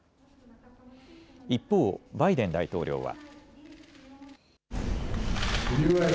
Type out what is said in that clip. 一方、バイデン大統領は。